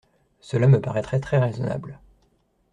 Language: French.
Cela me paraîtrait très raisonnable.